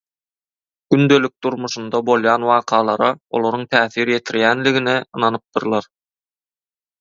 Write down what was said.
Gündelik durmuşynda bolýan wakalara olaryň täsir ýetirýänligine ynanypdyrlar.